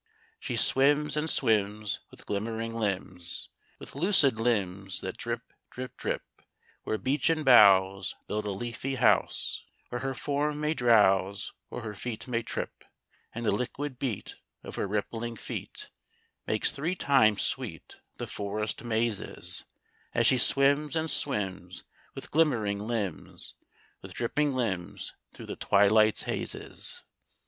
She swims and swims with glimmering limbs, With lucid limbs that drip, drip, drip: Where beechen boughs build a leafy house, Where her form may drowse or her feet may trip; And the liquid beat of her rippling feet Makes three times sweet the forest mazes, As she swims and swims with glimmering limbs, With dripping limbs through the twilight's hazes.